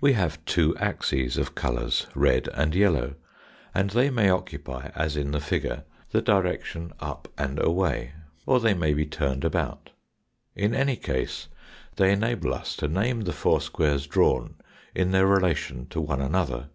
We have two axes of colours red and yellow and they may oc cupy as in the figure the direction up and away, or they may be turned about ; in any case they enable us to name the four squares drawn in their relation to one another.